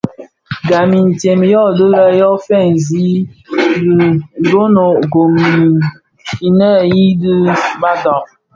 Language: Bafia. Gam intsem yödhi lè yo fènzi bidönög gom di niyeñi di badag.